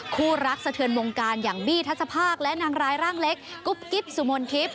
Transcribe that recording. คู่รักสะเทือนวงการอย่างบี้ทัศภาคและนางร้ายร่างเล็กกุ๊บกิ๊บสุมนทิพย